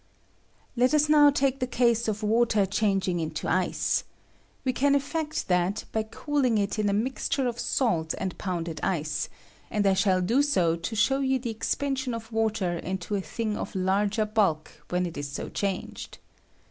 Let us now take the case of water changing into ice: we can effect that by cooling it in a mixture of salt and ponnded ice('^} — and I shall do so to show you the expansion of water into a thing of larger bulk when it is so changed.